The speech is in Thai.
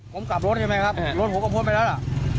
ผมกลับรถใช่ไหมครับรถผมก็พ้นไปแล้วล่ะ